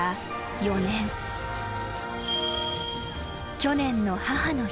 ［去年の母の日］